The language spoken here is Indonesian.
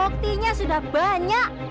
buktinya sudah banyak